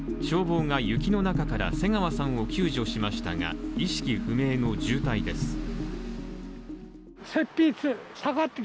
消防が雪の中から瀬川さんを救助しましたが、意識不明の重体です。